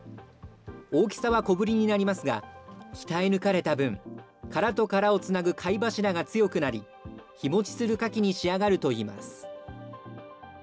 大きさは小ぶりになりますが、鍛え抜かれた分、殻と殻をつなぐ貝柱が強くなり、日持ちするカキに仕上がるといいます。